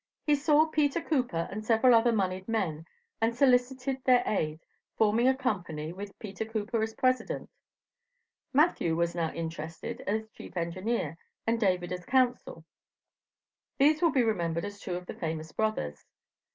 He saw Peter Cooper and several other moneyed men and solicited their aid, forming a company, with Peter Cooper as president. Matthew was now interested as chief engineer, and David as counsel. These will be remembered as two of the famous brothers.